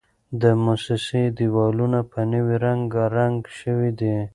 د موسسې دېوالونه په نوي رنګ رنګ شوي دي.